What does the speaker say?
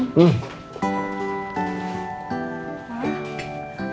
abis makan noh